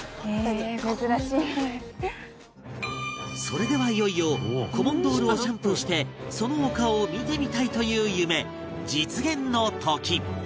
それではいよいよコモンドールをシャンプーしてそのお顔を見てみたいという夢実現の時